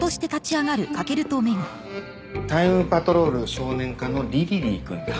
タイムパトロール少年課のリリリー君だ。